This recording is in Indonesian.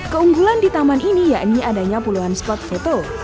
keunggulan di taman ini yakni adanya puluhan spot foto